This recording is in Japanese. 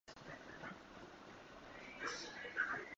じゅじゅ